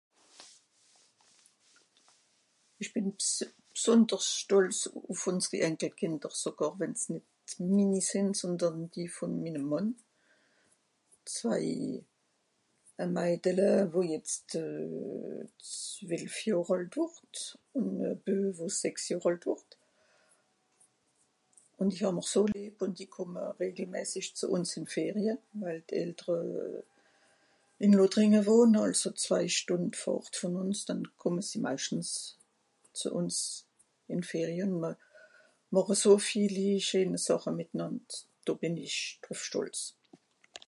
ìshc bìns b'sonderscht stòlz ùff .... kìnder sogàr wenn's nìt minni sìn sondàn die von minnem mànn zwai a maidele wo jetz euh twelve jorh àlt wort ùn a bieu wo sìx johr àlt wort ùn isch hàmm'r so lieb wànn die komme regelmässig zu ùns ìm ferie euh d'eltere ìn lothrìnge wòhne àlso zwai stùnd fàhrt won ùns dann komme se maischtens zu ùns ìn d'ferie mr màche so viel i scheen sàche mìtnànd do bìn i drùff stolz